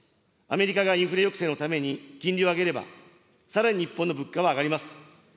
アメリカがインフレ抑制のために金利を上げれば、さらに日本の物価は上がります。